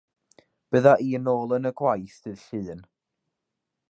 Bydda i nôl yn y gwaith ddydd Llun.